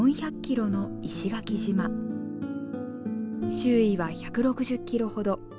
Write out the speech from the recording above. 周囲は１６０キロほど。